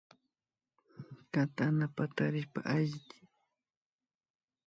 Katana patarishpa allchi